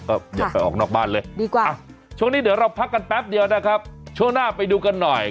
ก็อย่าไปออกนอกบ้านเลยดีกว่าอ่ะช่วงนี้เดี๋ยวเราพักกันแป๊บเดียวนะครับช่วงหน้าไปดูกันหน่อย